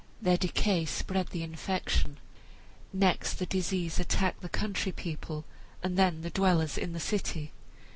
Their decay spread the infection. Next the disease attacked the country people, and then the dwellers in the city.